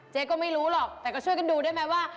ก็ไม่รู้หรอกแต่ก็ช่วยกันดูได้ไหมว่า